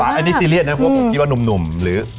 ฟ้าอันนี้ซีเรียสนะครับเพราะว่านุ่มหรือ